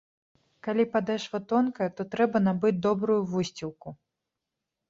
Калі падэшва тонкая, то трэба набыць добрую вусцілку.